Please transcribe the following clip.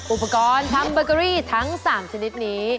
อุปกรณ์ทำเบอร์เกอรี่ทั้ง๓ชนิดนี้